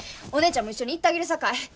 お姉ちゃんも一緒に行ったげるさかい。